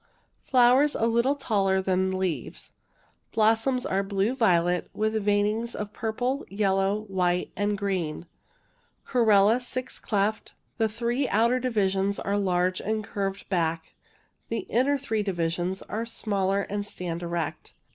Flowers a little taller than leaves— blossoms are violet blue with veinings of purple, yel low, white, and green— corolla six cleft— the three outer divisions are large and curved 160 ALL ABOUT THE IRIS 151 back— the three inner divisions are smaller and stand erect.